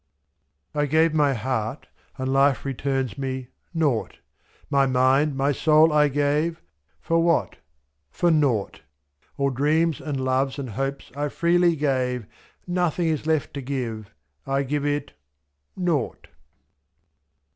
I gave my heart, and life returns me — nought ; My mind, my soul, I gave — for what ? For nought. /*^.A11 dreams and loves and hopes I freely gave. Nothing is left to give — I give it — nought